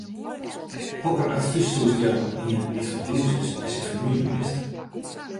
Hokker advys soest jaan oan ien dy’t fan hûs is en syn famylje mist?